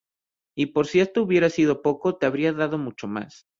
Y por si esto hubiera sido poco, te habría dado mucho más.